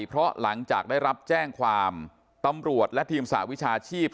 เพราะหลังจากได้รับแจ้งความตำรวจและทีมสหวิชาชีพ